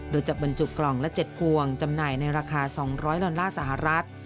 โดยจะบรรจุกล่องละ๗พวงจำหน่ายในราคา๒๐๐ดอลลาร์สหรัฐ